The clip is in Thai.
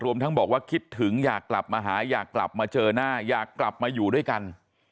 ทั้งบอกว่าคิดถึงอยากกลับมาหาอยากกลับมาเจอหน้าอยากกลับมาอยู่ด้วยกัน